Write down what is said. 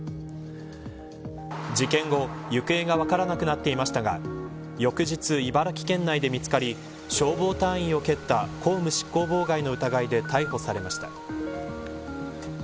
事件後、行方が分からなくなっていましたが翌日、茨城県内で見つかり消防隊員を蹴った公務執行妨害の疑いで逮捕されました。